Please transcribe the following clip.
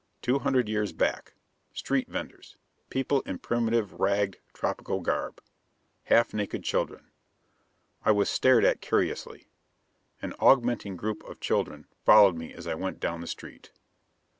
Two hundred years back. Street vendors. People in primitive, ragged, tropical garb. Half naked children. I was stared at curiously. An augmenting group of children followed me as I went down the street.